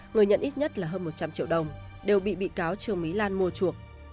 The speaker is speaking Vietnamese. người nhận ít nhất là hơn một trăm linh triệu đồng đều bị cáo trương mỹ lan mua chuộc